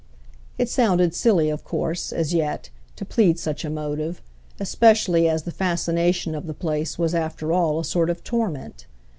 It sounded silly, of course, as yet, to plead such a motive, especially as the fascination of the place was after all a sort of torment.